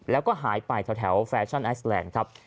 แล้วก็หายไปแถวแฟชั่นไอซแลนด์ครับ